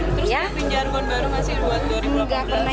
terus siapin jargon baru masih